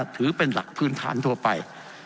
ถือเป็นหลักพื้นฐานทั่วไป